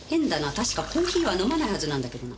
確かコーヒーは飲まないはずなんだけどな。